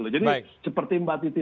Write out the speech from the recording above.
jadi seperti mbak titi